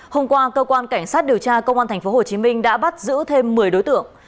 hôm qua cơ quan cảnh sát điều tra công an tp hcm đã bắt giữ thêm một mươi đối tượng